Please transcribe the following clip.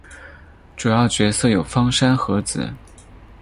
主要角色有芳山和子。